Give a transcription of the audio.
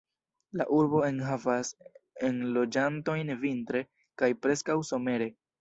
La urbo enhavas enloĝantojn vintre, kaj preskaŭ somere.